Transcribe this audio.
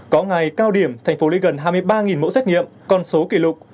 có ngày cao điểm thành phố lấy gần hai mươi ba mẫu xét nghiệm con số kỷ lục